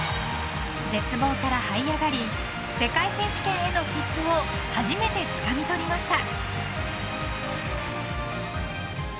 絶望から這い上がり世界選手権への切符を初めてつかみ取りました。